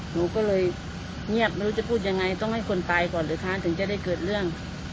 หนูก็เลยเงียบไม่รู้จะพูดยังไงต้องให้คนตายก่อนหรือคะถึงจะได้เกิดเรื่อง